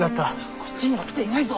こっちには来ていないぞ。